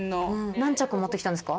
何着持って来たんですか？